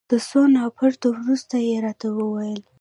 تر څو نا پړيتو وروسته يې راته وویل.